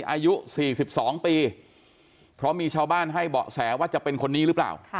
อายุ๔๒ปีเพราะมีชาวบ้านให้เบาะแสว่าจะเป็นคนนี้หรือเปล่า